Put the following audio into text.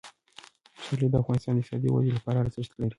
پسرلی د افغانستان د اقتصادي ودې لپاره ارزښت لري.